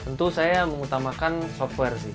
tentu saya mengutamakan software